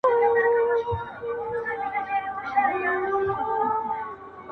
زه له ټولو سره خپل د هیچا نه یم!